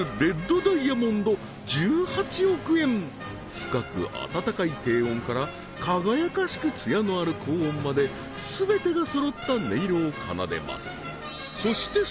深く温かい低音から輝かしく艶のある高音まで全てがそろった音色を奏でます